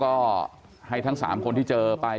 เพื่อนบ้านเจ้าหน้าที่อำรวจกู้ภัย